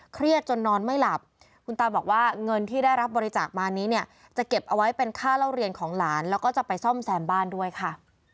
จนนอนไม่หลับคุณตาบอกว่าเงินที่ได้รับบริจาคมานี้เนี่ยจะเก็บเอาไว้เป็นค่าเล่าเรียนของหลานแล้วก็จะไปซ่อมแซมบ้านด้วยค่ะ